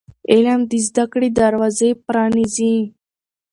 علم د زده کړې دروازې پرانیزي.